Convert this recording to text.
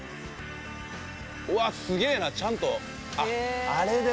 うわっすげえなちゃんとあっあれで。